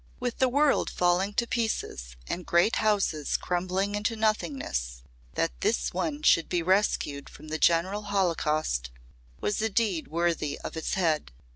With the world falling to pieces and great houses crumbling into nothingness, that this one should be rescued from the general holocaust was a deed worthy of its head.